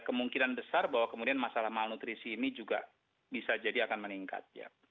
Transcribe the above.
kemungkinan besar bahwa kemudian masalah malnutrisi ini juga bisa jadi akan meningkat